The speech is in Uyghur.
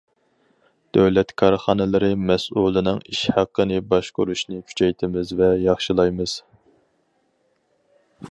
دۆلەت كارخانىلىرى مەسئۇلىنىڭ ئىش ھەققىنى باشقۇرۇشنى كۈچەيتىمىز ۋە ياخشىلايمىز.